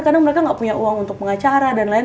karena mereka nggak punya uang untuk pengacara dan lain lain